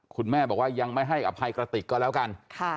คุณแม่บอกว่ายังไม่ให้อภัยกระติกก็แล้วกัน